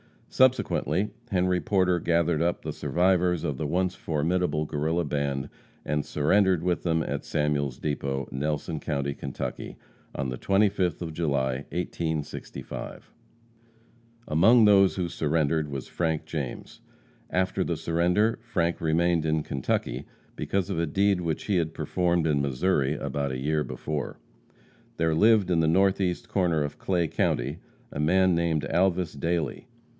Subsequently, Henry Porter gathered up the survivors of the once formidable Guerrilla band, and surrendered with them at Samuel's depot, Nelson county, Kentucky, on the 25th of July, 1865. Among those who surrendered was Frank James. After the surrender, Frank remained in Kentucky because of a deed which he had performed in Missouri about a year before. There lived in the northeast corner of Clay county a man named Alvas Dailey.